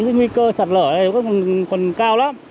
nguy cơ sạt lở này còn cao lắm